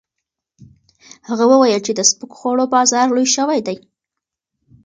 هغه وویل چې د سپکو خوړو بازار لوی شوی دی.